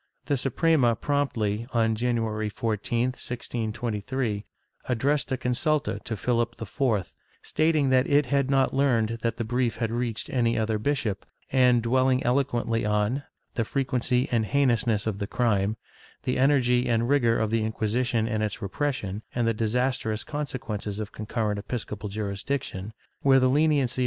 The Suprema promptly, on January 14, 1623 addressed a consulta to Philip IV, stating that it had not learned that the brief had reached any other bishop and dwelling eloquently on the frequency and heinousness of the crime, the energy and rigor of the Inquisition in its repression, and the disastrous conse quences of concurrent episcopal jm'isdiction, where the leniency ' Archive hist, nacional, Inq.